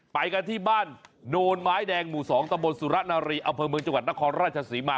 ไปกันที่บ้านโนนไม้แดงหมู่๒ตะบนสุระนารีอำเภอเมืองจังหวัดนครราชศรีมา